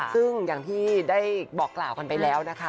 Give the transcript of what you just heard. ซึ่งอย่างที่ได้บอกกล่าวกันไปแล้วนะคะ